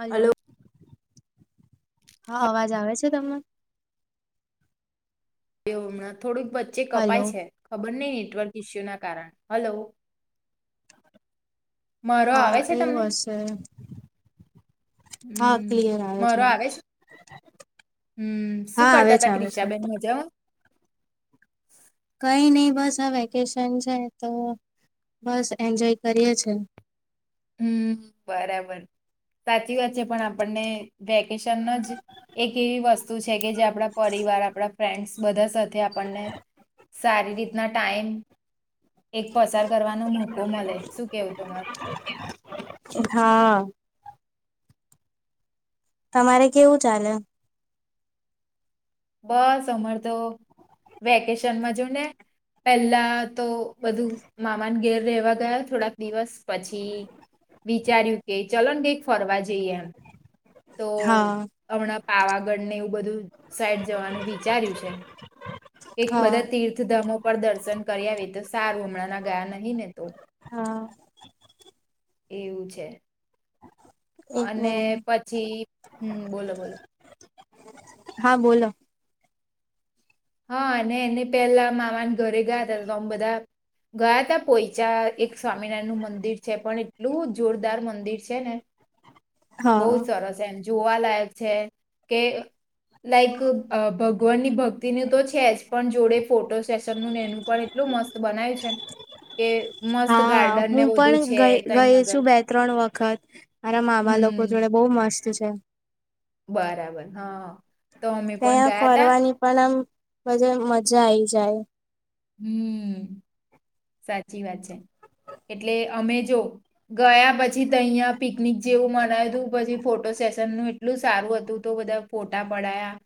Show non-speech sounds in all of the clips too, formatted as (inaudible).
Hello હા, અવાજ આવે છે તમને એ, હમણાં થોડુંક વચ્ચે હલો કપાય છે ખબર નહી નેટવર્ક ઇસ્યુ ના કારણ, હલો મારો હા આવે છે તમને, એવું હશે હમ, મારો આવે છે, હમ, શું હા આવે કરતા છે હતા આવે છે ક્રિશાબેન મજા (inaudible) કઈ નહ બસ આ વેકેશન છે તો બસ એન્જોય કરીએ છે. હમ બરાબર સાચી વાત છે પણ આપણને વેકેશન જ એક એવી વસ્તુ છે કે જે આપણા પરિવાર આપણા ફ્રેન્ડસ બધા સાથે આપણને સારી રીતના ટાઈમ એક પસાર કરવાનો મોકો મળે શું કેવું તમાર. (inaudible) તમારે કેવું ચાલે. બસ અમાર તો વેકેશનમાં જો ને પેલા તો બધું મામાને ઘેર રહેેવા ગયા થોડાક દિવસ પછી વિચાર્યું કે ચલો ને કંઈક ફરવા જઈએ એમ. તો હા હમણાં પાવાગઢ ને એવું બધું સાઈડ જવાનું વિચાર્યું છે. એક હા બધા તીર્થધામો પર દર્શન કરી આવી તો સારું હમણાંના ગયા નહી ને તો (inaudible) એવું છે. એક અને મિનિટ પછી (inaudible) હમ બોલો બોલો. હા બોલો. હા અને એને પેલા મામાના ઘરે ગયા ત તો આમ બધા ગયા ત પોયચા એક સ્વામિનારાયણ નું મંદિર છે પણ એટલું જોરદાર મંદિર છે ને. બહુ હા જ સરસ એમ. જોવાલાયક છે કે લાઈક અ ભગવાનની ભ ન તો છે જ પણ જોડે ફોટો સેશનનું એનું પણ એટલું મસ્ત બનાય છે કે મસ્ત હા ગાર્ડન હું ને બધું પણ છે ગઇ તહીં ગઈ આગળ છું બે ત્રણ વખત મારા મામા લોકો હમ જોડે બહુ મસ્ત છે. બરાબર. હા. તો અમે પણ ત્યાં ગયા તા ફરવાની પણ આમ બજા મજા આઈ જાય. હમ સાચી વાત છે એટલે અમે જો ગયા પછી તો અયા પિકનિક જેવું મનાવ હતું પછી ફોટો સેશન નું એટલું સારું હતું તો બધા ફોટા પડાયા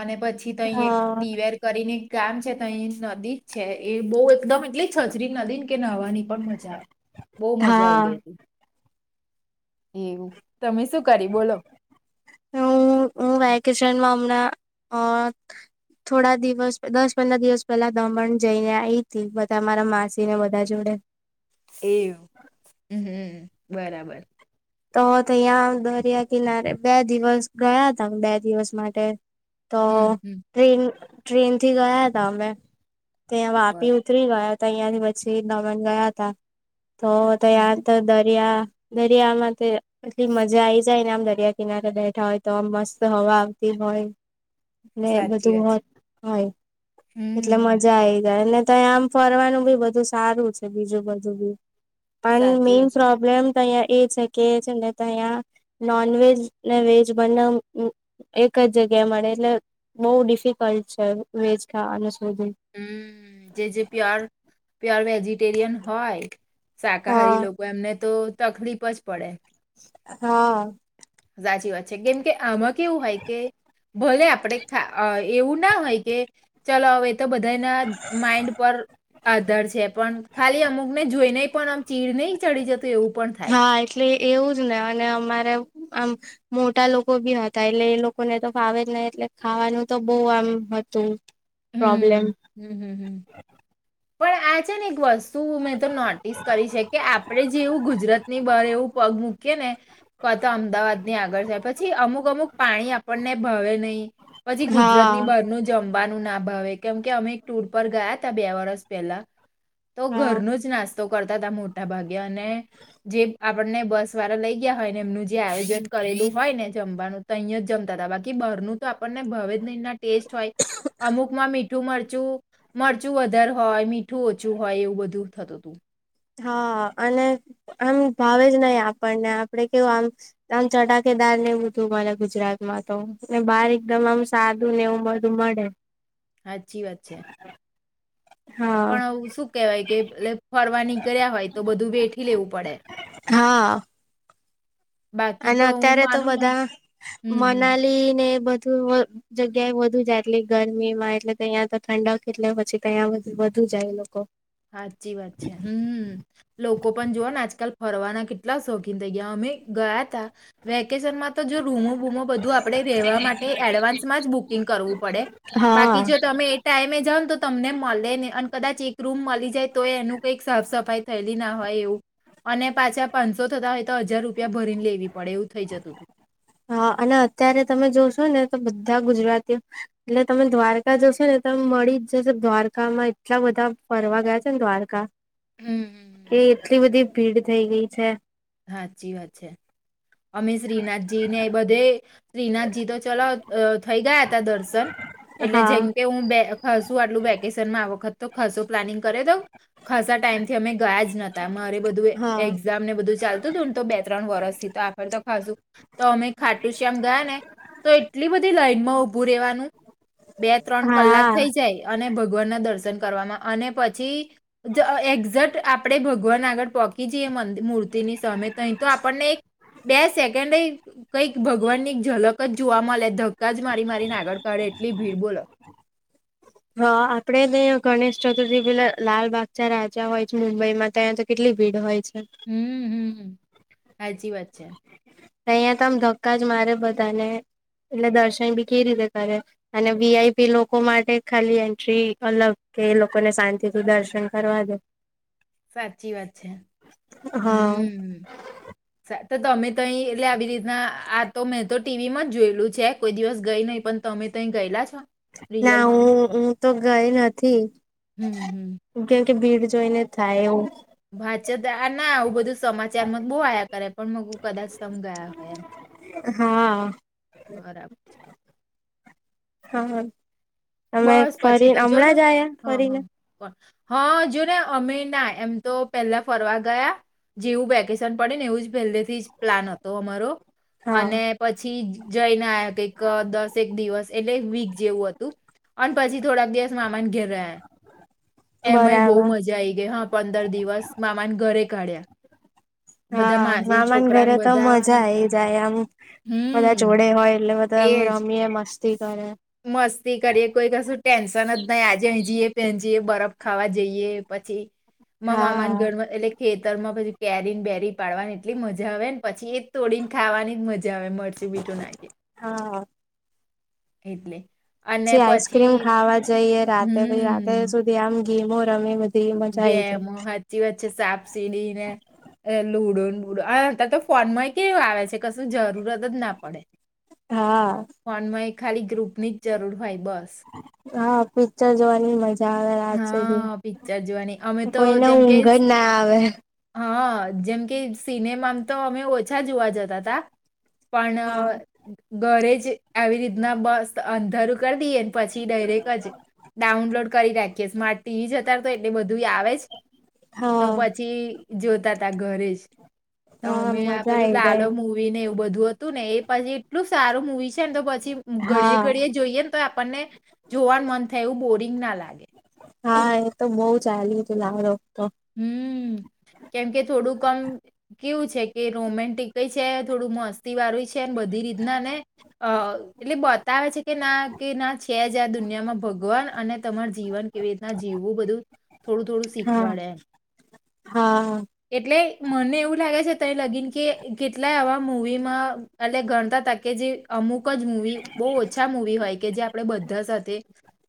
અને પછી તહી એક હા દડીવેર કરીને ગામ છે તહી નદી છે એ બહુ એકદમ એટલે છજરી નદી ને કે નહવાની પણ મજા બહુ મજા આઈ હા ગઈ હતી એવું તમે શું કરી બોલો હું હું વેકેશનમાં હમણાં અ થોડા દિવસ દસ પંદર દિવસ પેલા દમણ જઈને આઈ હતીબધા મારા માસી ને બધા જોડે એવું હ હમ બરાબર. તો અિયાં દરિયા કિનારે બે દિવસ ગયા ત બે દિવસ માટે તો હમ ટન ટ્રેનથી ગયા હતા અમે ત્યાં બર વાપી ઉતરી ગયા અહં થી પછી દમન ગયા હતા તો તો હમ તો દ દર્યા દર્યા મ- તે એટલી મજા આઈ જાય ને આમ દરિયા કિનારે બેઠા હોય તો આમ મસ્ત હવા આવતી હોય. ને સાચી બધું વાત હો છે હોય એટલે હમ મજા આવી જાય ને- ત આમ ફરવાનું બી બધું સારું છે બીજું બધું બી પણ સાચી મેઇન વાત છે પ્રોબ્લેમ અહીંયા એ છે કે છે ને તો અહીંયા નોન વેજ ને વેજ બને એક જ જગ્યા મળે એટલે બહુ ડિફિકલ્ટ છે વેજ ખાવાનું શોધવું હમ, જેજેપી આ પ્યોર વેજીિટેરિયન હોય હા શાકાહારી લોકો એમને તો તકલીફ જ પડે હા સાચી વાત છે, કેમ કે આમાં કેવું હોય કે ભલે આપણે એવું ના હોય કે ચલો હવે બધાનાય માન્ડ પર આધાર છે પણ ખાલી અમુકને જોઈને પણ આમ ચીડ નહી ચડી જતો. એવું પણ થાય. હા એટલે એવું જ ને અને અમારે આમ મોટા લોકો બી હતા એટલે એ લોકોને તો ફાવે જ નહી એટલે ખાવાનું તો બહુ આમ હતું. પ્રોબ્લેમ હમ હમ હમ હમ પણ આ છે ને એક વર્સ શું મેં તો નોટિસ કરી છે કે આપણેે જેવું ગુજરાતની બહાર એવું પગ કે ને ક તો અમદાવાદ ની આગળ જાય પછી અમુક અમુક પાણી આપણને ભવે નહી. પછી ગુજરાતની હા બાર નું જમ. બનું ના ભાવ કેમ કે અમે એક ટુર પર ગયા ત બે વરસ પહેલા તો હા ઘરનું જ નાસ્તો તો કરતા હતા મોટા ભાગે અને જે આપણને બસ વાળા લઈ ગયા હોય ને એમનું જે આયોજન કરેલું હોય ને જમવાનું તો અહીં જમતા હતા બાકી બરનું તો આપણને ભવે એના ટેસ્ટ હોય. મીઠું મરચું મરચું વધારે હોય મીઠું ઓછું હોય એવું બધું થતું હતું. હા અને આમ ભાવે જ નહી આપણને આપડે કેવું આમ આમ ચટાકેદાર ને બધું મળે ગુજરાતમાં તો ને બહાર એકદમ આમ સાદું ને એવું બધું મળે. હચી વાત છે. હા પણ શું કહેવાય કે એ ફરવા ન કર્યા હોય તો બધું બેઠી લેવું પડે. હા બાકી અને તો હું અત્યારે તો માનું ને બધા હમ હમ મનાલી ને બધ જગ્યાએ વધુ જાય એટલી ગરમી માં એટલે કે તહીં તો ઠંડક કેટલે પછી તો અહીં વધુ જાય લોકો સાચી વાત છે, હમ, લોકો પણ જોવા ને આજકાલ ફરવાના કેટલા શોખીન થઈ ગયા અમે ગયા તા વેકેશનમાં તો જો રૂમો રૂમો બધું આપણે રહેવા માટે એડવાન્સમાં જ બુક બુકિંગ કરું પડે, હા બાકી જો તમે એ ટાઈમે જાવ તો તમને મલેની અને કદાચ રૂમ મલી જાય તોય એનું કંઈક સાફ સફાઈ થયેલી ના હોય એવું અને પાછા પાંચસો થતા હોય તો હજાર રૂપિયા ભરીને લેવી પડે એવું થઈ જતું હતું હા, અને અત્યારે તમે જોશો ને તો બધા ગુજરાતીઓ એટલે તમે દ્વારકા જોશો ને ત મળી જ જશે દ્વારકામાં એટલા બધા ફરવા ગયા છે ને દ્વારકા હમ હમ હમ. એ, એટલી બધી ભીડ થઈ ગઈ છે હા, સાચી વાત છે અમે શ્રીનાથજી ને એ બધે શ્રીનાથજી તો ચલો થઈ ગયા હતા દર્શન એટલે હા. જેમકે હું બે ખશું આટલું વેકેશનમાં આવ ખરસો પ્લાનિંગ કરાઈ દવ ખાસા ટાઈમ થી અમે ગયા જ નતા અમારે બધું હા. એક્ઝામ ને બધું ચાલતું તું તો બે, ત્રણ, વરષ થી તો આખ તો ખાશું તો અમે ખાટું શ્યામ ગયા ને તો એટલી બધી લાઈનમાં ઉભું રેવાનું બે, ત્રણ, કલાક હા થઈ જાય અને ભગવાન ના દર્શન કરવાવામાં અને પછી એક્ઝેક્ટ આપડે ભગવાન આગળ પોહોકી જઈએ મિ મ ની સમય તોહી તો આપણને એક બે સેકન્ડ કંઈક ભગવાન ની એક ઝલક જ જોવા મળે ધક્કા જ મારી મારીને આગળ કાઢે એટલી ભીડ બોલો. હા આપડે તો અહીયા ગણેશ ચતુર્થી પેલા લાલબાગચ રાજા હોય છે મુંબઈ માં તો અહીંયા તો કેટલી ભીડ હોય છે. (inaudible) હ જી વા છે. અહંયા તો આમ ધક્કા જ મારે બધાને એટલે દર્શન બી કેવી રીતે કરે અને વીઆઈપી લોકો માટે ખાલી એન્ટ્રી અલગ કે એ લોકોને શાંતિથી દર્શન કરવા દે. સાચી વાત છે હા હમ. તો તમે તઈ એટલે આવી રીતના આ તો મેં તો ટીવી માં જ જોયેલું છે કોઈ દિવસ ગઈ નહીં પણ તમે તય ગયેલા છો. ના રિયલમાં હું હું તો ગઈ નથી. હમ હમ કે ભીડ જોઈને થાય એવું વાચત આ ના આવું બધું સમાચારમાં જ બહુ આયા કરે પણ મગ હું કદાચ તમ ગયા હોય એમ હા. બરાબર છે. હા તમે બસ પછી ફરી તો જો ને હમણાં જ આયા હા ફરીને? હા પણ હા જો ને અમે ના એમ તો પહેલા ફરવા ગયા જેવું વેકેશન પડે ને એવું જ પહેલેથી જ પ્લાન હતો અમારો. હા. અને પછી જઈને આ એક દસક દિવસ એટલે વીક જેવું હતું. અને પછી થોડાક દિવસ મમાન ઘિર રહે. એમાં બહુ બરાબર મજા આઈ ગઈ હા પંદર દિવસ મામા ઘરે કાળ્યા. બધા હા મામાંસી મામાને છોકરાને ઘરે તો બધા મજા આવાના આઈ હતા જાય આમ બધા હમ જોડે હોય એટલે બધા એમ એજ રમીએ મસ્તી કરે મસ્તી કરીએ કોઈ કશું ટેન્શન જ નહી આજે અહીજીએ પજી બરફ ખાવા જઈએ પછી. મા મામાને હા ગર એટલે ખેતરમાં પછી કેરીને બેરી પાડવાની એટલી મજા આવે ને પછી એજ તોડી ને ખાવાની જ મજા મરચી બીઠું નાખી. હા એટલે પછી આઈસ્ક્રીમ ખાવા જઈએ રાતે પછી રાતે સુધી આમ ગેમમેધ ગેમ સાચી વચ્ચે સાપસીડી ને લુડો બ અર તો ફોન માં કેવું આવે છે કશું જરૂરત જ ના પડે. હા ફોનમાં ખાલી ગ્રુપની જરૂર હોય બસ હા પિક્ચર જોવાની મળ આવે હા પિક્ચર જોવાની અમે તો કોઈને જેમ કે ઊંઘર ના આવે હા જેમ કે સિનેમા તો અમે ઓછા જોવા જતા હતાા હા પણ ઘરેજ આવી રીતના બસ અંધારું કરી દઈએ પછી ડાયરેક જ ડાઉનલોડ કરી રાખી ટીવી જ હતા તો એટલે બધું ું આવે તો હા પછી જોતા ત ઘરે જ હા અમે આ મજા પેલું આઈ લાલ જાય મુવીને બધું હતું ને એ પછી એટલું સારું મવી છે ને તો પછી ઘડીે હા ઘડી જોઈએ ને તો આપણને જોવાનું મન થ એવું બોરિંગ ના લાગે હા એ તો બઉુ ચાલ્યું હતું લાવડો તો હમ કેમ કે થોડું કમ કેવું છે કે રોમેન્ટિક છે થોડું મસ્તી વાળું છેને બધી રીતના ને અ એટલે બતાવે છે કે ના કે ના છે જ આ દુનિયામાં ભગવાન અને તમાર જીવન કેવી રીતના જીવવું બધું થોડું થોડું હા સીખવાળ્યા હા એટલે, મને એવું લાગે છે લગીન કે કેટલાય આવા મુવીમાં એટલે ગણતા તા કે જે અમુક એકક જ મુવી બહુ ઓછા મૂવી હોય કે જે આપડે બધા સાથે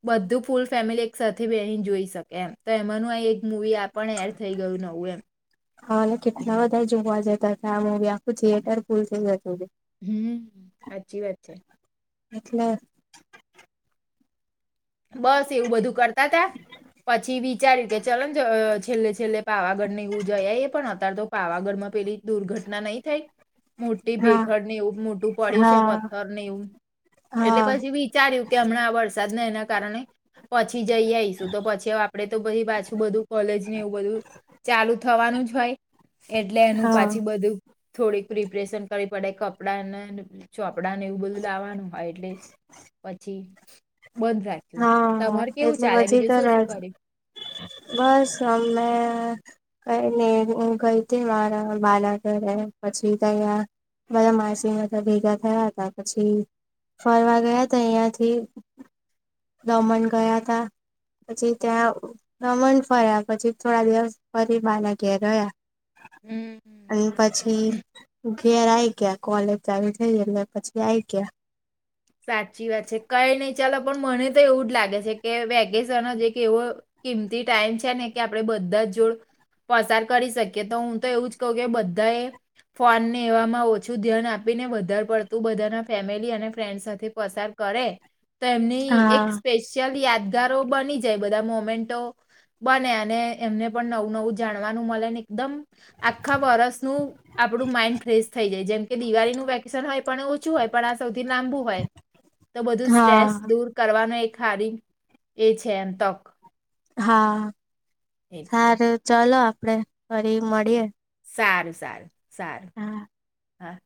બધું ફૂલ ફેમિલી એક સાથે બેહી ન જોઈ શકે એમ તો એમાંનું અહી એક મુવી આપણ એડ થઈ ગયું ન ઓએમ હા, કેટલા બધા જોવા જતા હતા આ મુવી આખું થિયેટર ફૂલ થઈ જતું હતું હમ, સાચી વાત છે મતલબ બસ એવું બધું કરતા તા પછી વિચાર્યું કે ચલન છેલ્લે છેલ્લે પાવાગઢ ને એવું જ ઈ આઇએ પણ અત્યારે તો પાવાગઢમાં પેલી દુર્ઘટના નહી થઈ મોટી હા ભેખડ ને એવું મોટું પડી્યું છે, હા પથ્થર ને એવું, એટલે હા પછી વિચાર્યું કે હમણાં આ વરસાદને એના કારણે પછી જઈ આઈશું, તો પછી આપડે તો પછી પાછું બધું કોલેજ ને એવું બધું, ચાલુ થવાનું જ હોય એટલે એનું પાછી બધું થોડીક પ્રિપરેશન કરવી પડે કપડા ને ચો પડા ને એવું બધું લાવવાનું હોય એટલે પછી બંધ રાખ્યું. હા. તમારે હ કેવું એટલે ચાલે બધી બીજું તો શું રા શું કર્યું? બસ અમે કઈ નય, હું ગઈ હતી મારા બાના ઘરે. પછી તૈયાર બધા માસીમાં ભેગા થયા હતા, પછી ફરવા ગયા હતા, યાંથી દમણ ગયા હતા, પછી ત્યાં દમણ ફર્યા પછી થોડા દિવસ ફરી બાના ઘેર રહ્યા. હમ્મ. અને પછી ઘેર આઈ ગયા, કોલેજ ચાલુ થઈ એટલે પછી આઈ ગયા. સાચી વાત છે કઈ નહી ચલ પણ મને તો એવું જ લાગે છે કે વેકેશન એક એવો કિંમતી ટાઈમ છે ને કે આપડે બધા જોડ પસાર કરી શકીએ તો હું તો એવું જ કહ કે બધા એ ફોન ને એવામાં ઓછું ધ્યાન આપીને વધારે પડતું બધાના ફેમિલી અને ફ્રેન્ડ સાથે પસાર કરે તો એમની એક હા. સ્પેશિયલ યાદ ગારો બની જાય, બધા મોમેન્ટો બને અને એમને પણ નવું નવું જાણવાનું મળેને એકદમ આખા વર્ષનું આપણું માઈન્ડ ફ્રેશ થઈ જાય જેમકે દિવાળીનું વેકેશન હોય પણ ઓછું હોય પણ આ સ લાંબુ હોય તો બધું સ્ટ્રેસ હા દૂર કરવાનો એક થારી એ છે એમ તક હા. એટલે સારું ચલો. આપડે ફરી મળીએે સારું. સારું. સારું. હા